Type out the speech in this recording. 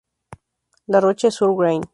La Roche-sur-Grane